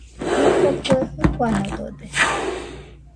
Jɨko kue jɨfanodode